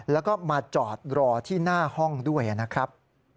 แล้วก็มาจอดรอที่หน้าห้องด้วยนะครับ